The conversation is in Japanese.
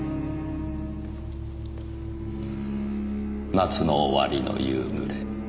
夏の終わりの夕暮れ。